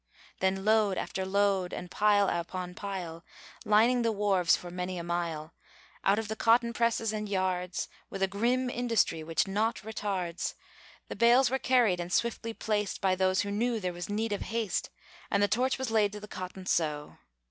Then load after load, and pile upon pile, Lining the wharves for many a mile, Out of the cotton presses and yards, With a grim industry which naught retards, The bales were carried and swiftly placed By those who knew there was need of haste, And the torch was laid to the cotton so.